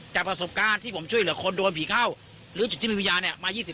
จากประสบการณ์ที่ผมช่วยคนโดนผิดเข้าหรือจุดที่มีวิญญาณมา๒๐ปี